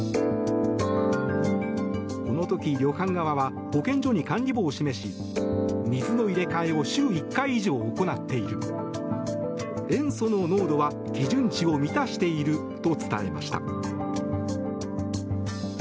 この時、旅館側は保健所に管理簿を示し水の入れ替えを週１回以上行っている塩素の濃度は基準値を満たしていると伝えました。